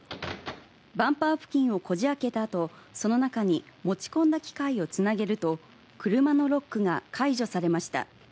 バンパー付近をこじ開けたあと、その中に持ち込んだ機械をつなげると、車のロックが解除されました。